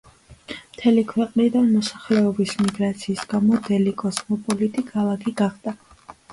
მთელი ქვეყნიდან მოსახლეობის მიგრაციის გამო დელი კოსმოპოლიტი ქალაქი გახდა.